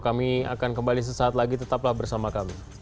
kami akan kembali sesaat lagi tetaplah bersama kami